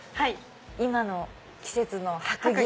今の季節の「白銀」。